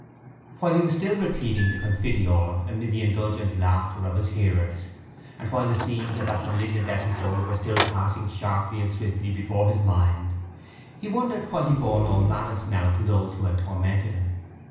While he was still repeating the Confiteor amid the indulgent laughter of his hearers and while the scenes of that malignant episode were still passing sharply and swiftly before his mind he wondered why he bore no malice now to those who had tormented him.